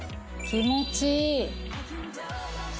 気持ちいい！